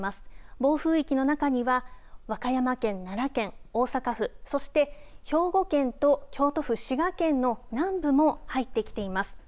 暴風域の中には和歌山県、奈良県、大阪府、そして兵庫県と京都府、滋賀県の南部も入ってきています。